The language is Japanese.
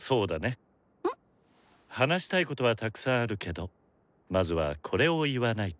話したいことはたくさんあるけどまずはこれを言わないと。